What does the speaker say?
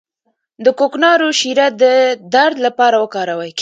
د کوکنارو شیره د درد لپاره وکاروئ